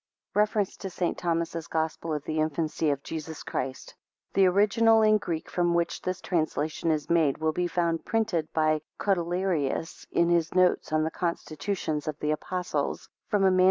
REFERENCE TO ST. THOMAS'S GOSPEL OF THE INFANCY OF JESUS CHRIST. [The original in Greek, from which this translation is made, will be found printed by Cotelerius, in his notes on the constitutions of the Apostles, from a MS.